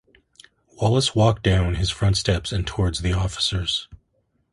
Wallace walked down his front steps and towards the officers.